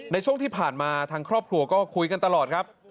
ในช่วงที่ผ่านมาทางครอบครัวก็คุยกันตลอดครับ